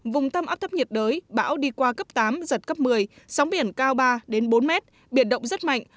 vùng tâm áp thấp nhiệt đới bão đi qua cấp tám giật cấp một mươi sóng biển cao ba bốn mét biển động rất mạnh